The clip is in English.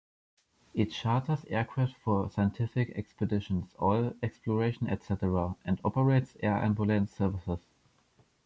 It charters aircraft for scientific expeditions, oil exploration, etc., and operates air ambulance services.